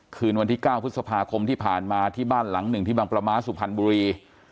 คืนวันที่๙พฤษภาคมที่ผ่านมาที่บ้านหลังหนึ่งที่บางประม้าสุพรรณบุรี